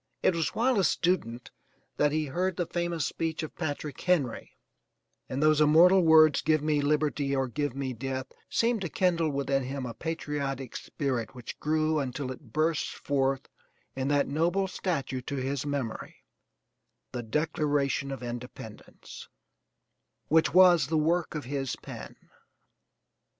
It was while a student that he heard the famous speech of Patrick Henry; and those immortal words, "GIVE ME LIBERTY OR GIVE ME DEATH," seemed to kindle within him a patriotic spirit which grew until it burst forth in that noble statue to his memory, the Declaration of Independence, which was the work of his pen.